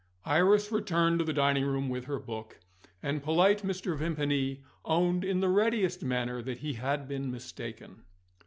Iris returned to the dining room with her book; and polite Mr. Vimpany owned in the readiest manner that he had been mistaken.